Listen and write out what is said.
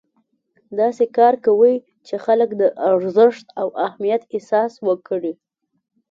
داسې کار کوئ چې خلک د ارزښت او اهمیت احساس وکړي.